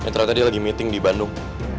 ternyata dia lagi meeting di bandung